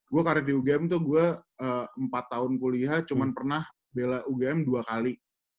gue karir di ugm tuh gue empat tahun kuliah cuma pernah bela ugm dua kali